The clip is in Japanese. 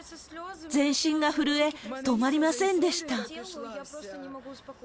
前進が震え、止まりませんでした。